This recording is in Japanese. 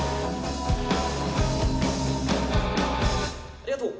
ありがとう。